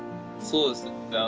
そうですね